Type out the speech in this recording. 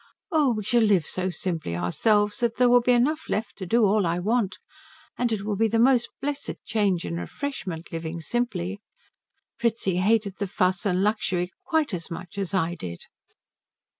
"Oh, we shall live so simply ourselves that there will be enough left to do all I want. And it will be the most blessed change and refreshment, living simply. Fritzi hated the fuss and luxury quite as much as I did."